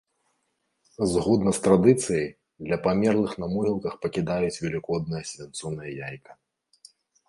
Згодна з традыцыяй, для памерлых на могілках пакідаюць велікоднае свянцонае яйка.